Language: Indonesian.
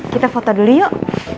kita foto dulu yuk